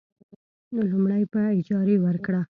لومړی: په اجارې ورکړه.